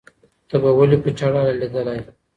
ته به ولي په چاړه حلالېدلای